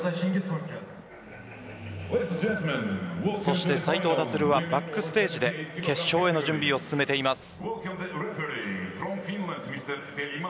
そして斉藤立はバックステージで決勝への準備を進めています。